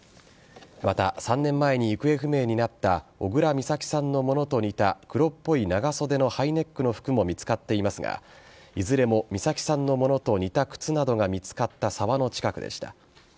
また、３年前に行方不明になった小倉美咲さんのものと似た黒っぽい長袖のハイネックの服も見つかっていますがいずれも美咲さんのものと似た靴などが見つかった沢の近くでした。